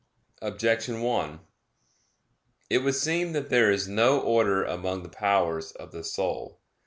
Objection 1: It would seem that there is no order among the powers of the soul.